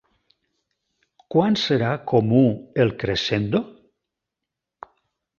Quan serà comú el crescendo?